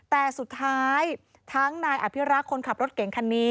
แต่สุดท้ายทั้งนายอภิรักษ์คนขับรถเก่งคันนี้